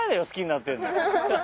好きになってんの。